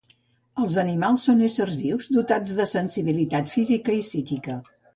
Els animals són éssers vius dotats de sensibilitat física i psíquica.